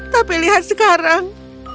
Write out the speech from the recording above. tapi lihat sekarang